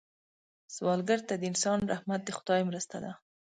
سوالګر ته د انسان رحمت د خدای مرسته ده